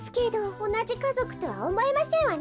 おなじかぞくとはおもえませんわね。